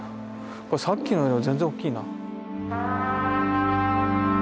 これさっきのより全然大きいな。